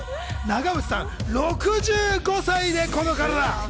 長渕さん、６５歳でこの体。